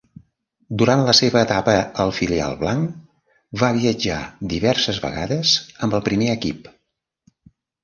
Durant la seva etapa al filial blanc va viatjar diverses vegades amb el primer equip.